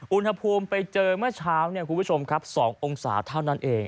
อุณหภูมิไปเจอเมื่อเช้าคุณผู้ชมครับ๒องศาเท่านั้นเอง